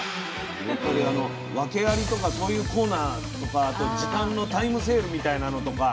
やっぱりあの訳ありとかそういうコーナーとかあと時間のタイムセールみたいなのとか。